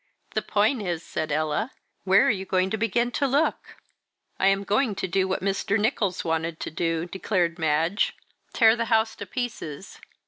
"The point is," said Ella, "where are you going to begin to look?" "I am going to do what Mr. Nicholls wanted to do," declared Madge "tear the house to pieces."